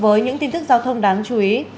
với những tin tức giao thông đáng chú ý